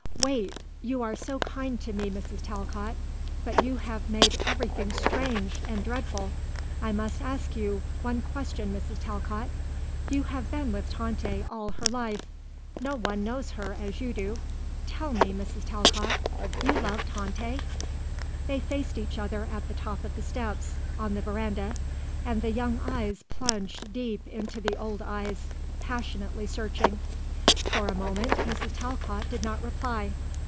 "Wait. You are so kind to me, Mrs. Talcott; but you have made everything strange and dreadful. I must ask you one question, Mrs. Talcott. You have been with Tante all her life. No one knows her as you do. Tell me, Mrs. Talcott. You love Tante?" They faced each other at the top of the steps, on the verandah. And the young eyes plunged deep into the old eyes, passionately searching. For a moment Mrs. Talcott did not reply.